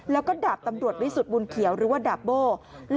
แล้วก็ดาบตำรวจวิสุทธิบุญเขียวหรือว่าดาบโบ้